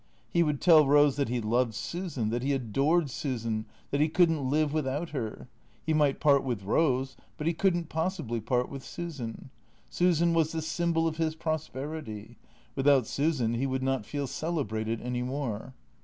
He would tell Eose that he loved Su san, that he adored Susan, that he could n't live without her. He might part with Eose, but he could n't possibly part with Susan. Susan was the symbol of his prosperity. Without Su san he would not feel celebrated any more.